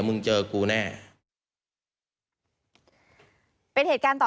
ฟังเสียงอาสามูลละนิทีสยามร่วมใจ